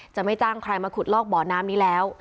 จะไม่จ้างใครมาขุดลอกบนี้แล้ว